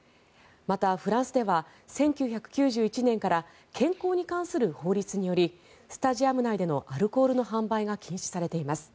またフランスでは１９９１年から健康に関する法律によりスタジアム内でのアルコールの販売が禁止されています。